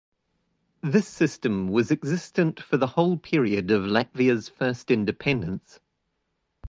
This system was existent for the whole period of Latvia's first independence.